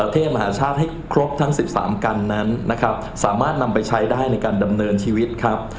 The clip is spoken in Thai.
เทพมหาชาติให้ครบทั้ง๑๓กันนั้นนะครับสามารถนำไปใช้ได้ในการดำเนินชีวิตครับ